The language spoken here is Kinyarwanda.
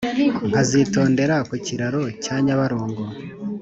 Nkazitondera ku kiraro cya nyabarongo